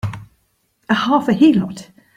A half a heelot!